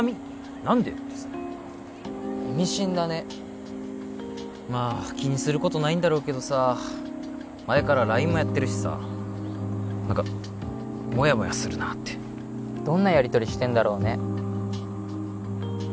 何でってさ意味深だねまあ気にすることないんだろうけどさ前からＬＩＮＥもやってるしさ何かもやもやするなってどんなやりとりしてんだろうね